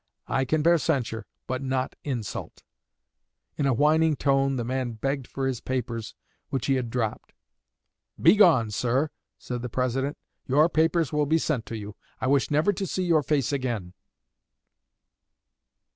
I can bear censure, but not insult!" In a whining tone the man begged for his papers, which he had dropped. "Begone, sir," said the President, "your papers will be sent to you. I wish never to see your face again!"